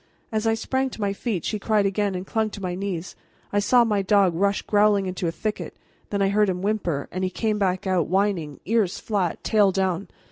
As I sprang to my feet she cried again and clung to my knees. I saw my dog rush growling into a thicket, then I heard him whimper, and he came backing out, whining, ears flat, tail down.